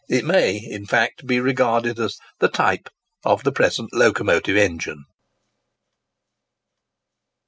It may in fact be regarded as the type of the present locomotive engine.